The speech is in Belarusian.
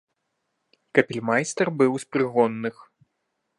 Капельмайстар быў з прыгонных.